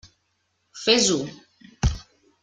Fes-ho!